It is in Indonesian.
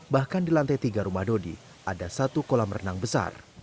bahkan di lantai tiga rumah dodi ada satu kolam renang besar